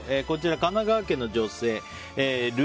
こちら、神奈川県の女性。